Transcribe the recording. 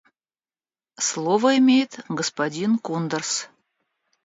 Слово имеет господин Кундерс.